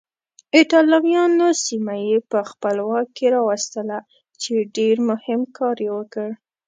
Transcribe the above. ایټالویانو سیمه یې په خپل واک کې راوستله چې ډېر مهم کار یې وکړ.